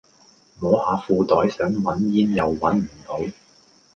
摸下褲袋想搵煙又搵唔到